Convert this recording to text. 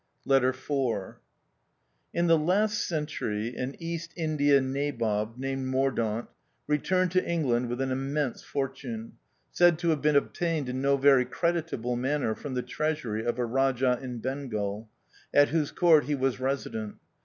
LETTER IV. In the last century an East India nabob named Mordaunt returned to England with an immense fortune, said to have been obtained in no very creditable manner from the treasury of a Rajah in Bengal, at whose court he was Resident.